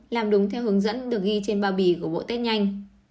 làm đúng theo hướng dẫn được ghi trên bao bì của bộ test nhanh